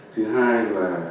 thứ hai là